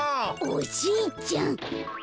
おじいちゃん。